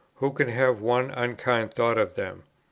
who can have one unkind thought of them?